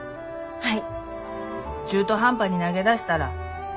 はい！